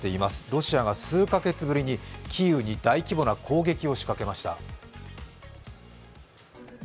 ロシアが数か月ぶりにキーウに大規模な攻撃を仕掛けました。